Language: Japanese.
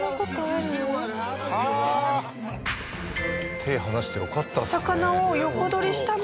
手離してよかったですね。